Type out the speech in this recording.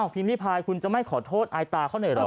พิมพิพายคุณจะไม่ขอโทษอายตาเขาหน่อยเหรอ